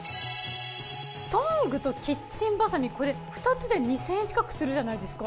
トングとキッチンバサミこれ２つで２，０００円近くするじゃないですか。